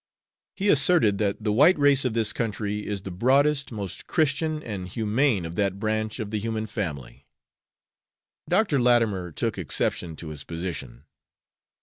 He asserted that the white race of this country is the broadest, most Christian, and humane of that branch of the human family. Dr. Latimer took exception to his position.